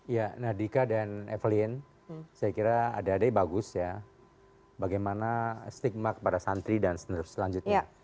ya nadinka dan evelyn saya kira ada ada yang bagus ya bagaimana stigma kepada santri dan selanjutnya